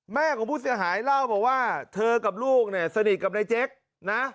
แม่ของผู้เสียหายเล่าบอกว่าเธอกับลูกเนี่ยสนิทกับนายเจ๊กนะ